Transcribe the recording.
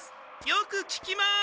よくききます！